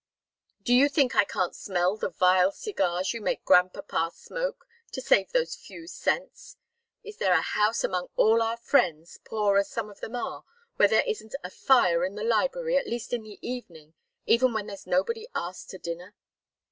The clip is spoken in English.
Do you think I can't smell the vile cigars you make grandpapa smoke, to save those few cents? Is there a house among all our friends, poor as some of them are, where there isn't a fire in the library, at least in the evening, even when there's nobody asked to dinner?